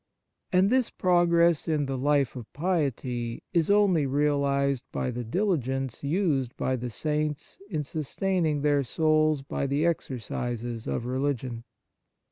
And this progress in the life of piety is only realized by the diligence used by the Saints in sustaining their souls by the exercises of religion.